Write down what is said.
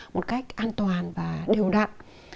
một cách an toàn và đều đặn